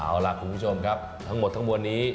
เอาล่ะคุณผู้ชมครับทั้งหมดทั้งมวลนี้